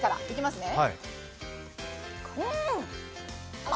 いきます！